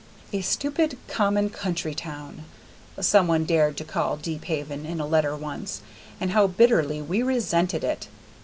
"A stupid, common country town" some one dared to call Deephaven in a letter once, and how bitterly we resented it!